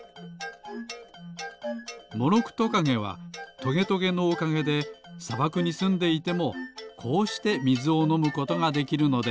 モロクトカゲはトゲトゲのおかげでさばくにすんでいてもこうしてみずをのむことができるのです。